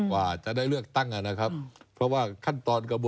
ว่าจะได้เลือกตั้งนะครับ